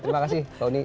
terima kasih mbak unni